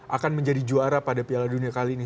akan menjadi juara pada piala dunia kali ini